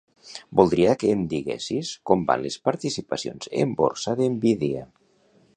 Voldria que em diguessis com van les participacions en borsa de Nvidia.